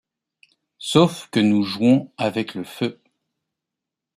Sauf que nous jouons avec le feu.